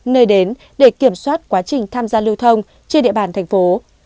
nơi đến để kiểm soát quá trình tham gia lưu thông trên địa bàn thành phố